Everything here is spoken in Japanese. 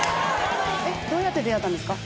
どうやって出会ったんですか？